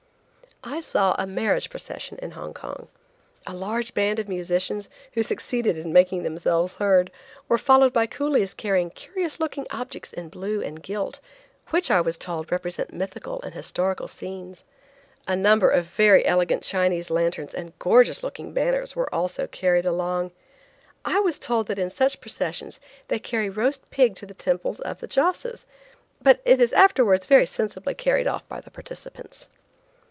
I saw a marriage procession in Hong Kong. A large band of musicians, who succeeded in making themselves heard, were followed by coolies carrying curious looking objects in blue and gilt, which, I was told, represent mythical and historical scenes. A number of very elegant Chinese lanterns and gorgeous looking banners were also carried along. I was told that in such processions they carry roast pig to the temples of the josses, but it is afterwards very sensibly carried off by the participants.